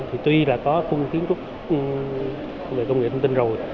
thì tuy là có khung kiến trúc về công nghệ thông tin rồi